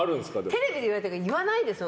テレビで言われたら言わないでしょ。